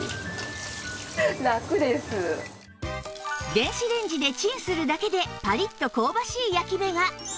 電子レンジでチンするだけでパリッと香ばしい焼き目が